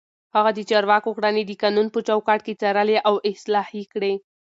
هغه د چارواکو کړنې د قانون په چوکاټ کې څارلې او اصلاح يې کړې.